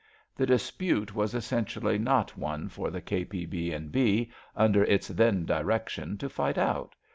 The dispute was essentially not one for the K.P.B. and B. under its then direction to fight out.